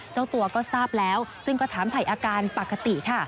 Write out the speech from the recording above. เจ้าตัวก็ทราบแล้วซึ่งก็ถามถ่ายอาการปกติค่ะ